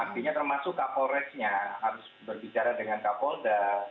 artinya termasuk kapolresnya harus berbicara dengan kapolda